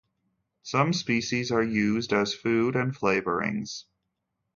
Some species are used as food and flavourings.